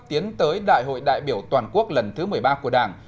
tiến tới đại hội đại biểu toàn quốc lần thứ một mươi ba của đảng